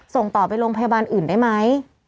ส่งต่อไปโรงพยาบาลอื่นได้ไหม